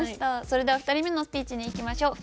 それでは２人目のスピーチにいきましょう。